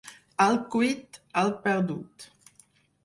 All cuit, all perdut.